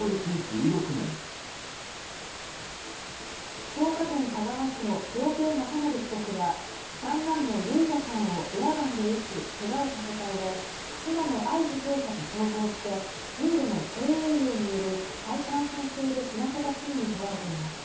福岡県田川市の常慶雅則被告は三男の唯雅ちゃんをエアガンで撃ちけがをさせたうえ妻の藍受刑者と共謀して重度の低栄養による肺感染症で死なせた罪に問われています。